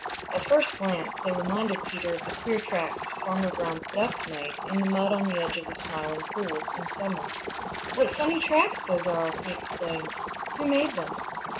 At first glance they reminded Peter of the queer tracks Farmer Brown's ducks made in the mud on the edge of the Smiling Pool in summer. "What funny tracks those are!" he exclaimed. "Who made them?"